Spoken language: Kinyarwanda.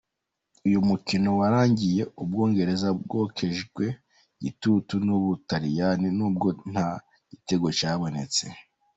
Uyu mukino warangiye Ubwongereza bwokejwe igitutu n'ubutariyani n'ubwo nta gitego cyabonetsemo.